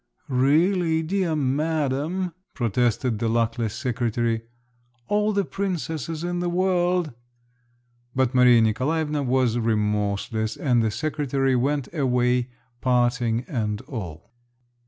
"Really, dear madam," protested the luckless secretary, "all the princesses in the world…." But Maria Nikolaevna was remorseless, and the secretary went away, parting and all.